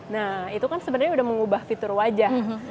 nah itu kan sebenarnya udah mengubah fitur wajah